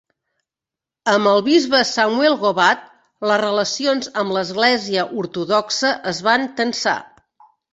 Amb el bisbe Samuel Gobat, les relacions amb l'església ortodoxa es van tensar.